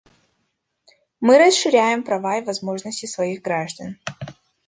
Мы расширяем права и возможности своих граждан.